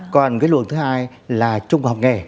còn cái luồng thứ hai là trung học nghề